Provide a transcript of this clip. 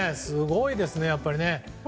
すごいですね、やっぱり。